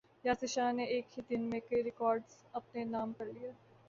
یاسر شاہ نے ایک ہی دن میں کئی ریکارڈز اپنے نام کر لیے